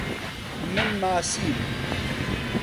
من ماسیم.